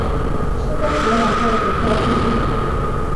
是该国两个总教区之一。